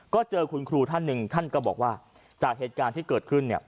ก็เจอคุณครูท่านหนึ่งท่านก็บอกว่าจากเหตุการณ์ที่เกิดขึ้นเนี่ย